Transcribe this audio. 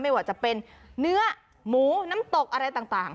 ไม่ว่าจะเป็นเนื้อหมูน้ำตกอะไรต่าง